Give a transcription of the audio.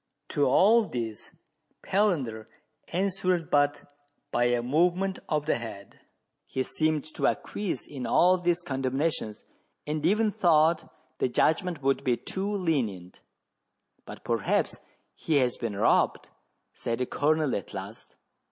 To all this Palander answered but by a movement of the head : he seemed to acquiesce in all these condemnations, and even thought the judgment would be too lenient. "But perhaps he has' been robbed," said the Colonel at last.